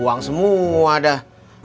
kebuang semua dah